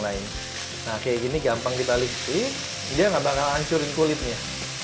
lain nah kayak gini gampang kita listrik dia enggak bakal hancurin kulitnya